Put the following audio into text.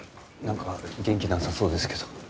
なんか元気なさそうですけど。